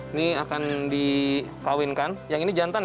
ini akan dikawinkan yang ini jantan